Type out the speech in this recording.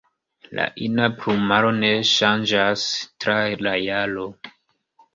La ina plumaro ne ŝanĝas tra la jaro.